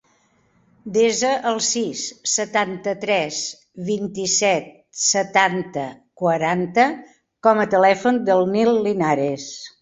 Desa el sis, setanta-tres, vint-i-set, setanta, quaranta com a telèfon del Nil Linares.